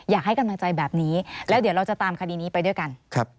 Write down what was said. อยากให้กำลังใจแบบนี้แล้วเดี๋ยวเราจะตามคดีนี้ไปด้วยกัน